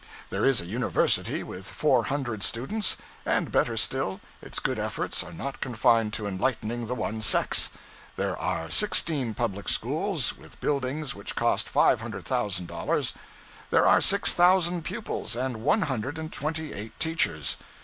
There is a university, with four hundred students and, better still, its good efforts are not confined to enlightening the one sex. There are sixteen public schools, with buildings which cost $500,000; there are six thousand pupils and one hundred and twenty eight teachers.